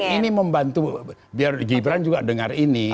ini membantu biar gibran juga dengar ini